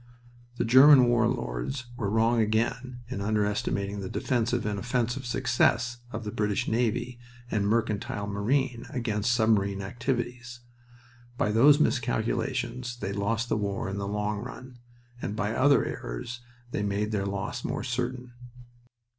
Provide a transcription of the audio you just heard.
The German war lords were wrong again in underestimating the defensive and offensive success of the British navy and mercantile marine against submarine activities. By those miscalculations they lost the war in the long run, and by other errors they made their loss more certain.